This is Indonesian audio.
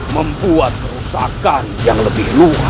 membuat kerusakan yang lebih luas